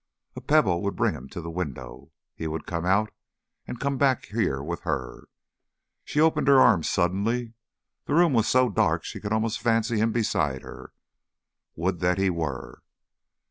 A pebble would bring him to the window. He would come out, and come back here with her. She opened her arms suddenly. The room was so dark she almost could fancy him beside her. Would that he were!